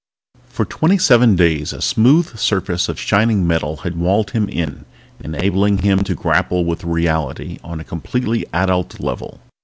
For twenty seven days a smooth surface of shining metal had walled him in, enabling him to grapple with reality on a completely adult level.